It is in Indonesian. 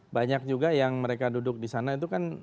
banyak juga yang mereka duduk di sana itu kan